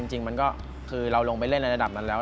จริงมันก็คือเราลงไปเล่นในระดับนั้นแล้ว